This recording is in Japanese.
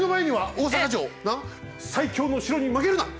「最強の城」に負けるな！